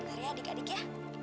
sampai jumpa ya adik adik ya